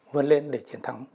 vươn lên để chiến thắng